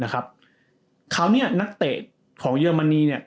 คราวนี้นักเตะของเยอร์มันนีเนี่ย